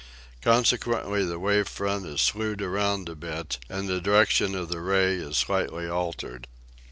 Consequently the wave front is slued around a bit and the direction of the ray is slightly altered.